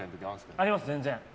あります、全然。